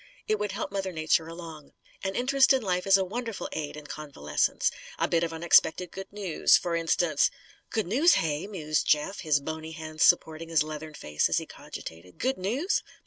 It would help Mother Nature along. An interest in life is a wonderful aid, in convalescence. A bit of unexpected good news, for instance " "Good news, hey?" mused Jeff, his bony hands supporting his leathern face as he cogitated. "Good news?